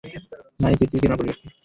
না এই পৃথিবীকে না পরিবারকে।